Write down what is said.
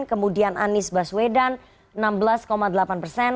kemudian anies baswedan enam belas delapan persen